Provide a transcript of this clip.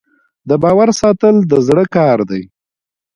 د باور ساتل د زړه کار دی.